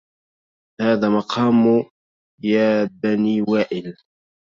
هذا مقام يا بني وائل